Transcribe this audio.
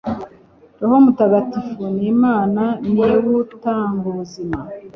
roho mutagatifu ni imana, ni w'utang'ubuzima